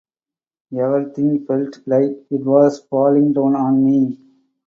Everything felt like it was falling down on me.